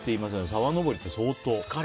沢登りって、相当。